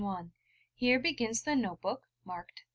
] (_Here begins the note book marked 'III.'